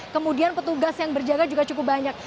kemudian petugas yang berjaga juga cukup banyak